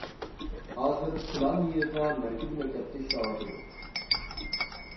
ھازىر چىلان يېزا مەركىزى مەكتەپتە ئىشلەۋاتىدۇ.